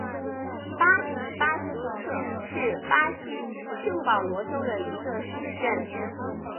巴迪巴西特是巴西圣保罗州的一个市镇。